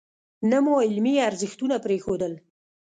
نه مو علمي ارزښتونه پرېښودل.